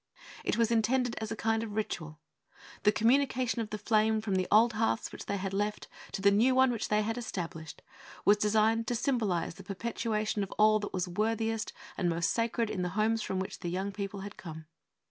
It was intended as a kind of ritual. The communication of the flame from the old hearths which they had left to the new one which they had established was designed to symbolize the perpetuation of all that was worthiest and most sacred in the homes from which the young people had come.